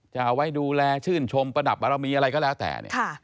จะเอาไว้ดูแลชื่นชมประดับบารมีอะไรก็แล้วแต่เนี่ย